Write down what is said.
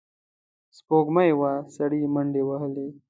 سپوږمۍ وه، سړی منډې وهلې.